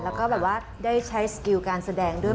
แล้วก็ได้ใช้สกิลการแสดงด้วย